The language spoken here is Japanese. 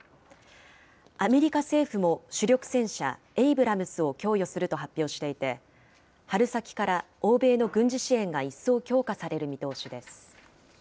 アメリカ政府も主力戦車エイブラムスを供与すると発表していて、春先から欧米の軍事支援が一層強化される見通しです。